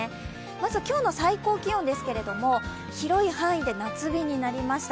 まずは今日の最高気温ですけど広い範囲で夏日になりました。